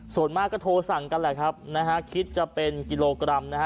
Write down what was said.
ส่วนมากก็โทรสั่งกันแหละครับนะฮะคิดจะเป็นกิโลกรัมนะฮะ